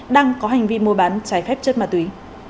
đang có hành vi mua bán trái phép chất ma túy